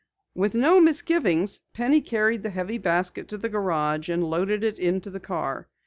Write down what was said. With no misgivings, Penny carried the heavy basket to the garage and loaded it into the car.